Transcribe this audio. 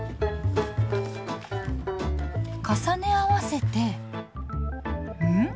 重ね合わせてん？